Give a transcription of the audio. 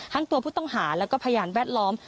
ตัวผู้ต้องหาแล้วก็พยานแวดล้อม